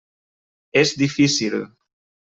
És difícil.